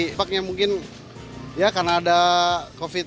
tepatnya mungkin ya karena ada covid sembilan belas itu